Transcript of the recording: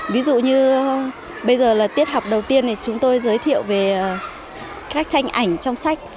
ví dụ như bây giờ là tiết học đầu tiên thì chúng tôi giới thiệu về các tranh ảnh trong sách